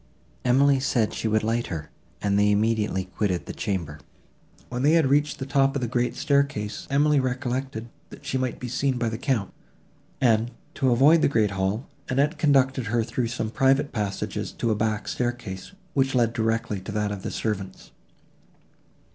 Emily said she would light her, and they immediately quitted the chamber. When they had reached the top of the great staircase, Emily recollected, that she might be seen by the Count, and, to avoid the great hall, Annette conducted her through some private passages to a back staircase, which led directly to that of the servants.